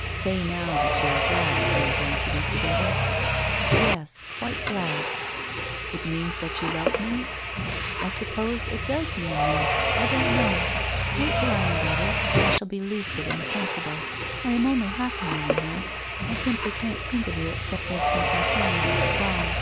' Say now that you are glad that we are going to be together.' WHITE ROSE OF WEARY LEAF 25? ' Yes, quite glad.' ' It means that you love me ?'' I suppose it does mean that. I don't know. Wait till I am better, and I shall be lucid, and sensible. I am only half a woman, now. I simply can't think of you except as something kind and strong.